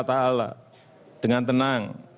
menghadap allah swt dengan tenang